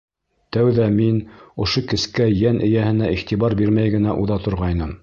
Тәүҙә мин ошо кескәй йән эйәһенә иғтибар бирмәй генә уҙа торғайным.